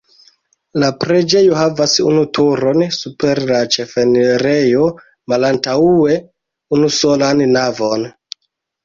La preĝejo havas unu turon super la ĉefenirejo, malantaŭe unusolan navon.